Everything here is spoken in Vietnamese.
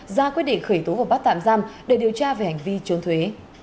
ra quyết định khởi tố và bắt tạm giam để điều tra về hành vi trốn thuế